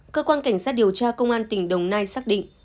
cơ quan cảnh sát điều tra công an tỉnh đồng nai xác định